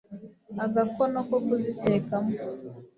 agakono ko kuzitekamo